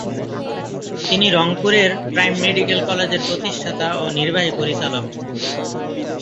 তিনি রংপুরের prime medical কলেজের প্রতিষ্ঠাতা ও নির্বাহী পরিচালক।